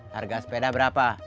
harga sepeda berapa